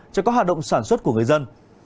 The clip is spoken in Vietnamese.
cho các hạt động sản xuất của người dân